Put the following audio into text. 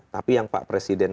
tapi yang pak presiden